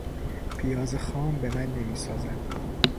پیاز خام به من نمیسازد.